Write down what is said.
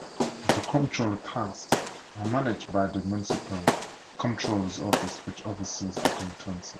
The comptroller tasks are managed by the municipal comptroller's office, which oversees accountancy.